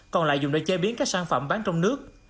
còn lại dùng để chế biến các sản phẩm bán trong nước